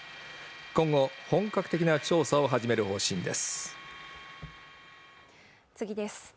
今後本格的な調査を始める方針です